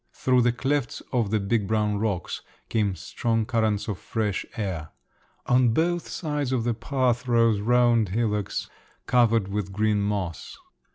Through the clefts of the big brown rocks came strong currents of fresh air. On both sides of the path rose round hillocks covered with green moss.